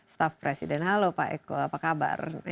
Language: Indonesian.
staff presiden halo pak eko apa kabar